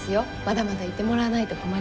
まだまだいてもらわないと困ります。